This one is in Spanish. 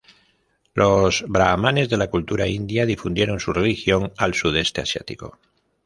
Los brahmanes de la cultura india difundieron su religión al sudeste asiático.